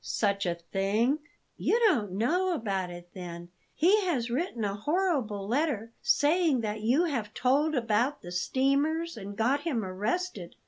"Such a thing ?" "You don't know about it, then? He has written a horrible letter, saying that you have told about the steamers, and got him arrested.